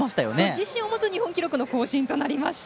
自身の持つ日本記録の更新となりました。